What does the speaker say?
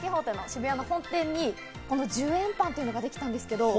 渋谷の本店に１０円パンというのができたんですけど。